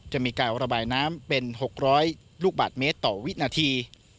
จะมีการระบายน้ำเป็น๖๐๐ลูกบาทเมตรต่อวินาที